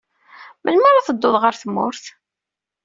Melmi ara teddud ɣer tmurt?